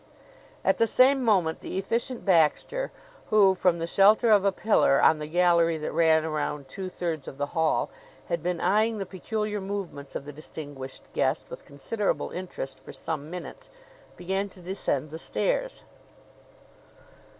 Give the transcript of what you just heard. At the same moment the Efficient Baxter, who, from the shelter of a pillar on the gallery that ran around two thirds of the hall, had been eyeing the peculiar movements of the distinguished guest with considerable interest for some minutes, began to descend the stairs.